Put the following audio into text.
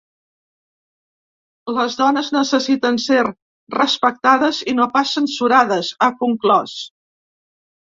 Les dones necessiten ser respectades i no pas censurades, ha conclòs.